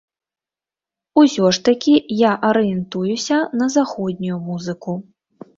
Усё ж такі, я арыентуюся на заходнюю музыку.